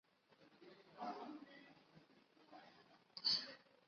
寇恩的博士论文和早期的研究内容是调和分析。